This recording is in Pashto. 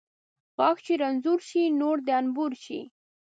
غاښ چې رنځور شي ، نور د انبور شي